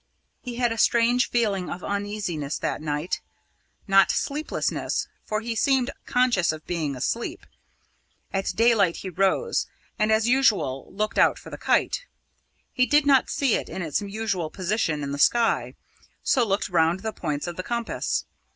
He had a strange feeling of uneasiness that night not sleeplessness, for he seemed conscious of being asleep. At daylight he rose, and as usual looked out for the kite. He did not see it in its usual position in the sky, so looked round the points of the compass.